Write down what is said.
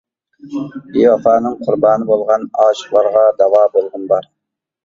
بىۋاپانىڭ قۇربانى بولغان، ئاشىقلارغا داۋا بولغۇم بار.